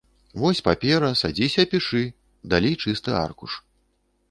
Вось папера, садзіся пішы, далі чысты аркуш.